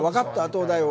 東大王。